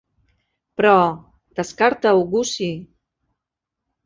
Però, descarta-ho, Gussie.